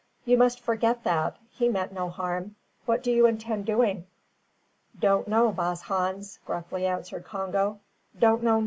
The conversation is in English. You must forget that. He meant no harm. What do you intend doing?" "Don't know, baas Hans," gruffly answered Congo; "don't know nuffin'."